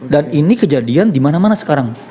dan ini kejadian dimana mana sekarang